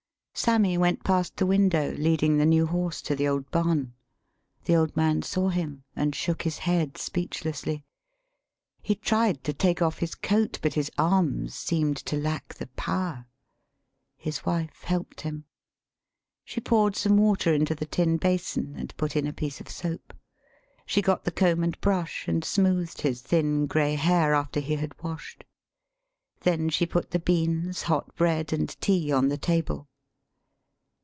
[Sammy went past the window, leading the new horse to the old barn. The old man saw him and shook his head speechlessly.] He tried to take off his coat, but his arms seemed to lack the power. His wife helped him. She poured some water into the tin basin, and put in a piece of soap. She got the comb and brush, and smoothed his thin gray hair after he had wash ed. Then she put the beans, hot bread, and tea on the table.